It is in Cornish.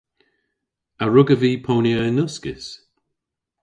A wrugavy ponya yn uskis?